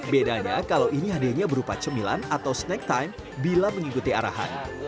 bedanya kalau ini hadiahnya berupa cemilan atau snack time bila mengikuti arahan